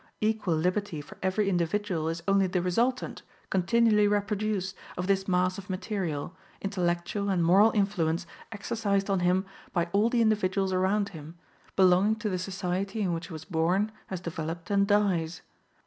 Equal liberty for every individual is only the resultant, continually reproduced, of this mass of material, intellectual and moral influence exercised on him by all the individuals around him, belonging to the society in which he was born, has developed and dies.